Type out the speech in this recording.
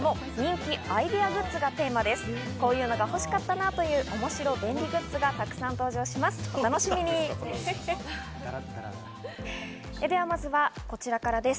こういうのが欲しかったなぁという面白便利グッズがたくさん登場します。